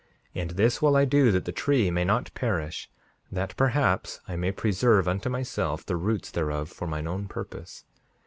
5:53 And this will I do that the tree may not perish, that, perhaps, I may preserve unto myself the roots thereof for mine own purpose.